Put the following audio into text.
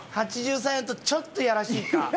８３やとちょっといやらしいか。